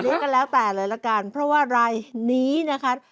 นี่ก็แล้วแต่เลยละกันเพราะว่ารายนี้นะคะ